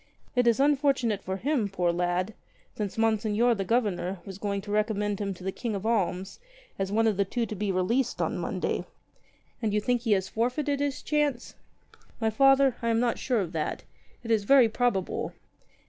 It is unfortunate for him, poor lad, since Monseigneur the Governor was going to recommend him to the King of Alms as one of the two to be released on Monday." "And you think he has forfeited his chance?" "My Father, I am not sure of that. It is very probable."